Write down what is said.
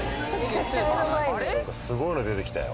何かすごいの出てきたよ